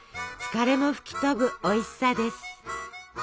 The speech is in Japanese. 疲れも吹き飛ぶおいしさです。